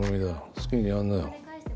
好きにやんなよ。